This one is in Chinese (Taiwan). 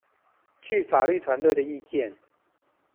據法律團隊的意見